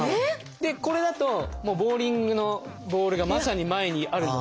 でこれだとボウリングのボールがまさに前にあるので。